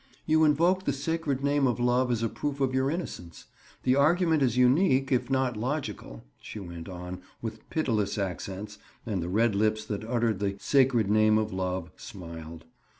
"You invoke the sacred name of love as a proof of your innocence. The argument is unique if not logical," she went on with pitiless accents and the red lips that uttered the "sacred name of love" smiled.